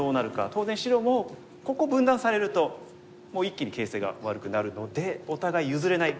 当然白もここ分断されるともう一気に形勢が悪くなるのでお互い譲れない